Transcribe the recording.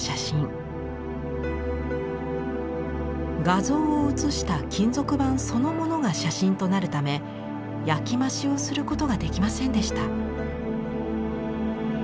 画像を写した金属板そのものが写真となるため焼き増しをすることができませんでした。